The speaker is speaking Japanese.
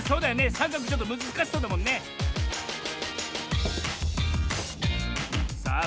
さんかくちょっとむずかしそうだもんねさあ